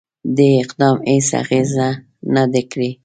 دې اقدام هیڅ اغېزه نه ده کړې.